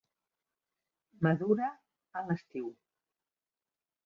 Madura a l'estiu.